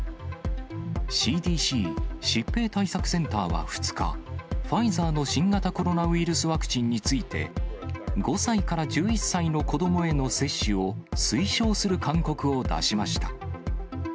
ＣＤＣ・疾病対策センターは２日、ファイザーの新型コロナウイルスワクチンについて、５歳から１１歳の子どもへの接種を推奨する勧告を出しました。